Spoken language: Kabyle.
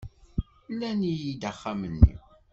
Mlan-iyi-d axxam-nni.